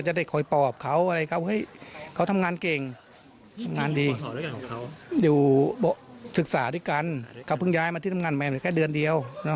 เหนื่องความรักอะไรอย่างงี้